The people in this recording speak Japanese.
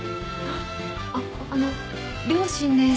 あっあの両親です